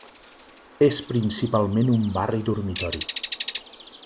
És principalment un barri dormitori.